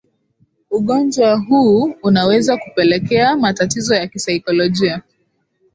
ugonjwa huu unaweza kupelekea matatizo ya kisaikolojia